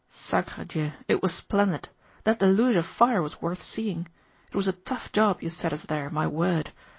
Sacré Dieu! It was splendid! That deluge of fire was worth seeing. It was a tough job you set us there, my word!